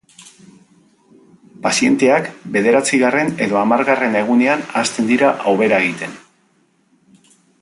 Pazienteak bederatzigarren edo hamargarren egunean hasten dira hobera egiten.